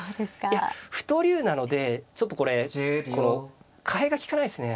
いや歩と竜なのでちょっとこれ換えが利かないですね。